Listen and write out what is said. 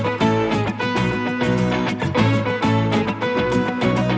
apa beda kayak gini